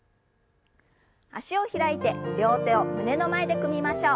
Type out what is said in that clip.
脚を開いて両手を胸の前で組みましょう。